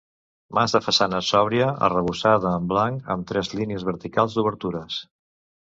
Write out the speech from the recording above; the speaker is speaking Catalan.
Mas de façana sòbria, arrebossada en blanc, amb tres línies verticals d'obertures.